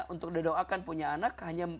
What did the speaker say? untuk doakan punya anak